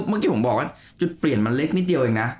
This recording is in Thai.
เมื่อกี้ผมบอกว่าจุดเปลี่ยนมันเล็กนิดเดียวเองนะ